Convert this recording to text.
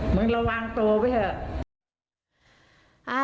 มันระวางตัวไปเถอะ